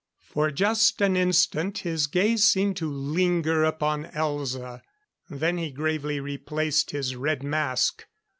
For just an instant his gaze seemed to linger upon Elza; then he gravely replaced his red mask.